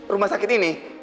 rumah sakit ini